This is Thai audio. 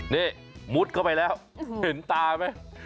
นี่มุดเข้าไปแล้วเห็นตาไหม